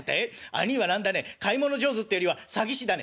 兄いはなんだね買い物上手っていうよりは詐欺師だね」。